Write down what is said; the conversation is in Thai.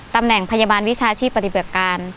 ตำแหน่งพยาบาลวิชาชีพปฏิบัติการ